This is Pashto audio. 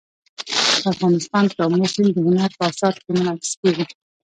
افغانستان کې آمو سیند د هنر په اثار کې منعکس کېږي.